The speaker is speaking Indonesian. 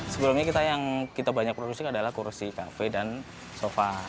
sebelumnya kita yang kita banyak produksi adalah kursi kafe dan sofa